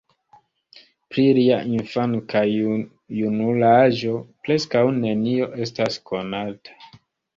Pri lia infan- kaj junul-aĝo preskaŭ nenio estas konata.